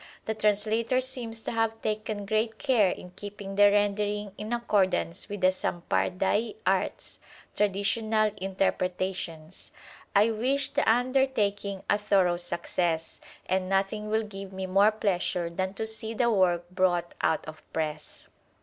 The translator seems to have PREFACE xiii taken great care in keeping the rendering in accordance with the Sampardai arths (traditional interpretations). I wish the undertaking a thorough success, and nothing will give me more pleasure than to see the work brought out of press.